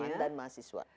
perempuan dan mahasiswa